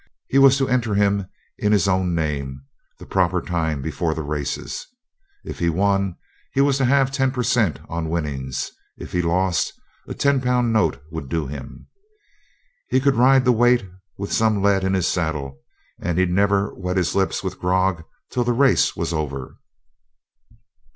He was to enter him in his own name, the proper time before the races. If he won he was to have ten per cent on winnings; if he lost, a ten pound note would do him. He could ride the weight with some lead in his saddle, and he'd never wet his lips with grog till the race was over.